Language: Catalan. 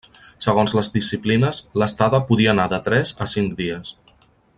Segons les disciplines, l'estada podia anar de tres a cinc dies.